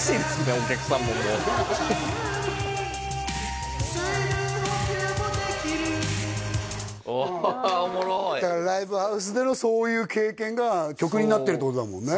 お客さんもおもろいライブハウスでのそういう経験が曲になってるってことだもんね